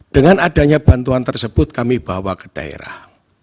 dengan adanya bantuan tersebut kami bawa ke daerah